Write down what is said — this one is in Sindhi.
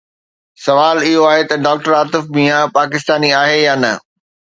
سوال اهو آهي ته ڊاڪٽر عاطف ميان پاڪستاني آهي يا نه؟